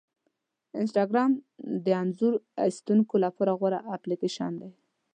انسټاګرام د انځور ایستونکو لپاره غوره اپلیکیشن دی.